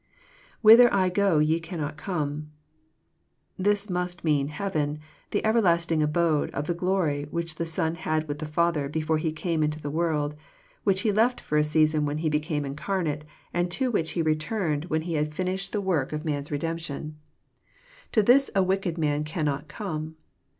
[WhUher Igo ye cannot come."] This must mean heaven, the everlasting abode of glory which the Son had with the Father before He came into the world, which He left for a season when He became incarnate, and to which He returned when He had ^ I 92 EXP08IT0BY THOUGHTS. flnished the work of man*s redemption. To this a wicked maai cannot come.